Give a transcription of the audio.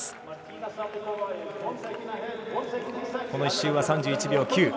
この１周は３１秒９。